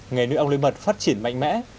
nghề nuôi ong lấy mật phát triển mạnh mẽ